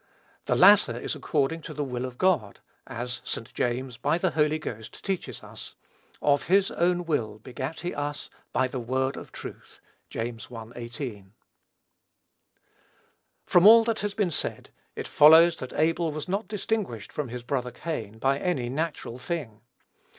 the latter is according to "the will of God;" as St. James, by the Holy Ghost, teaches us, "of his own will begat he us by the word of truth." (James i. 18.) From all that has been said, it follows, that Abel was not distinguished from his brother Cain by any thing natural.